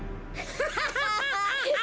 ハハハハハ！